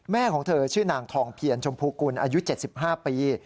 ของเธอชื่อนางทองเพียรชมพูกุลอายุ๗๕ปี